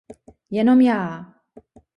Jenom já!